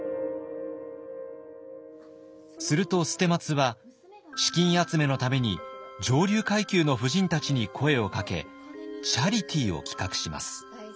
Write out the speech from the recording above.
すると捨松は資金集めのために上流階級の夫人たちに声をかけチャリティを企画します。